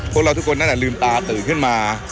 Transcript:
พวกเราทุกคนน่าจะลืมตาตื่นขึ้นมา